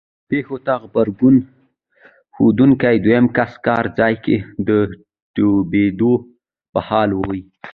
پېښو ته غبرګون ښودونکی دویم کس کار ځای کې د ډوبېدو په حال وي.